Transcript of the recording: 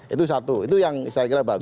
itu satu itu yang saya kira bagus